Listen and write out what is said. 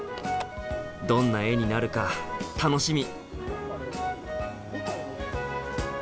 どんな絵になるか楽しみ！